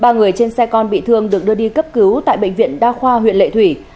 ba người trên xe con bị thương được đưa đi cấp cứu tại bệnh viện đa khoa huyện lệ thủy